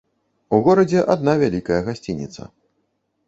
У горадзе адна вялікая гасцініца.